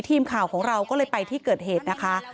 ทีมข่าวของเราก็เลยไปที่เกิดเหตุนะคะ